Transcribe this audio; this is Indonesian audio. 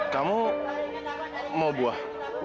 kamu mau buah